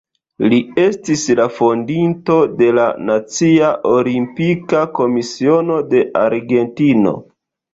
Li estis la fondinto de la Nacia Olimpika Komisiono de Argentino.